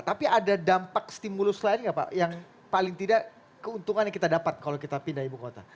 tapi ada dampak stimulus lain nggak pak yang paling tidak keuntungan yang kita dapat kalau kita pindah ibu kota